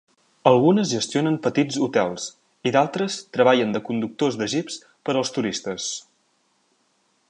Algunes gestionen petits hotels i d'altres treballen de conductors de jeeps per als turistes.